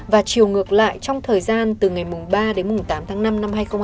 và chiều ngược lại trong thời gian từ ngày ba đến tám tháng năm năm hai nghìn hai mươi